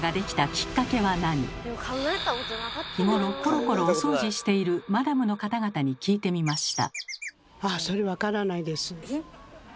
日頃コロコロお掃除しているマダムの方々に聞いてみました。